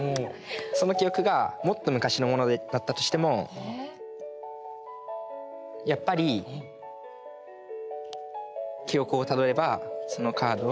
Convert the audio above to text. その記憶がもっと昔のものだったとしてもやっぱり記憶をたどればそのカードを。